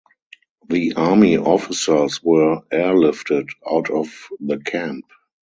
The Army officers were airlifted out of the camp.